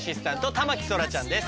田牧そらちゃんです。